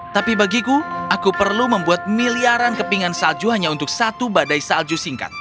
tapi bagiku aku perlu membuat miliaran kepingan salju hanya untuk satu badai salju singkat